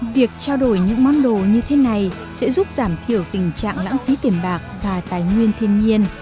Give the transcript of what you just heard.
việc trao đổi những món đồ như thế này sẽ giúp giảm thiểu tình trạng lãng phí tiền bạc và tài nguyên thiên nhiên